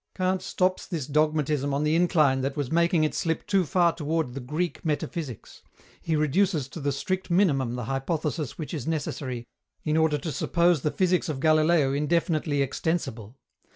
Kant stops this dogmatism on the incline that was making it slip too far toward the Greek metaphysics; he reduces to the strict minimum the hypothesis which is necessary in order to suppose the physics of Galileo indefinitely extensible.